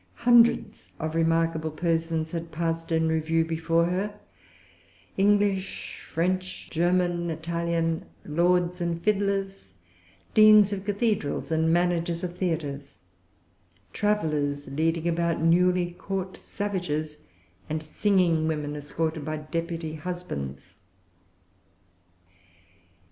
Hundreds of remarkable persons had passed in review before her, English, French, German, Italian, lords and fiddlers, deans of cathedrals and[Pg 340] managers of theatres, travellers leading about newly caught savages, and singing women escorted by deputy husbands.